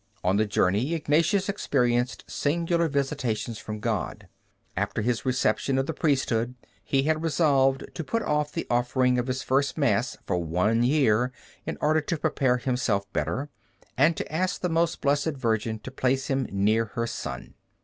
On the journey Ignatius experienced singular visitations from God. After his reception of the priesthood, he had resolved to put off the offering of his first Mass for one year, in order to prepare himself better, and to ask the Most Blessed Virgin to place him near her Son.